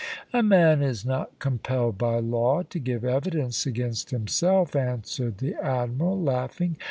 "A man is not compelled by law to give evidence against himself," answered the admiral, laughing.